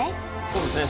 そうですね。